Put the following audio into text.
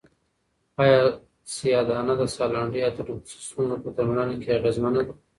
آیا سیاه دانه د سالنډۍ او تنفسي ستونزو په درملنه کې اغېزمنه ده؟